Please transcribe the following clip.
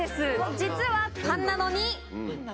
実はパンなのに。